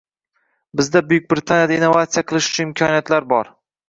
Bizda Buyuk Britaniyada innovatsiya qilish uchun imkoniyatlar bor